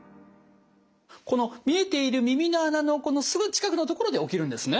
この見えている耳の穴のすぐ近くのところで起きるんですね？